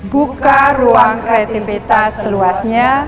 buka ruang kreativitas seluasnya